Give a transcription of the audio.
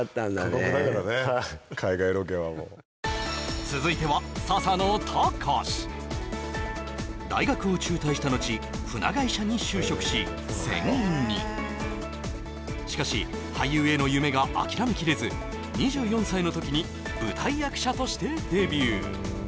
過酷だからね海外ロケははい続いては大学を中退したのち船会社に就職し船員にしかし俳優への夢が諦めきれず２４歳の時に舞台役者としてデビュー